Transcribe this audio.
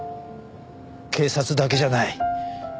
警察だけじゃない。